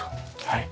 はい。